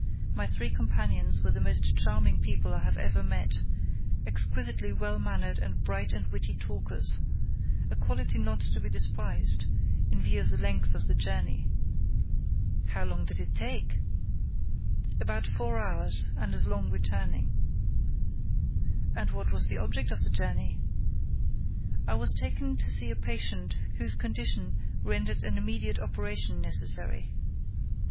My three companions were the most charming people I have ever met, exquisitely well mannered and bright and witty talkers: a quality not to be despised, in view of the length of the journey." "How long did it take?" "About four hours and as long returning." "And what was the object of the journey?" "I was taken to see a patient whose condition rendered an immediate operation necessary."